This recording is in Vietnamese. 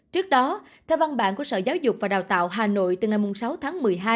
trước đó theo văn bản của sở giáo dục và đào tạo hà nội từ ngày sáu tháng một mươi hai